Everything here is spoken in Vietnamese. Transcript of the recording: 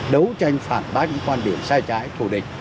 đấu tranh phản bác những quan điểm sai trái thù địch